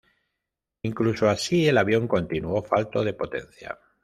Incluso así, el avión continuó falto de potencia.